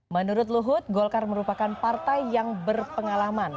menurut luhut golkar merupakan partai yang berpengalaman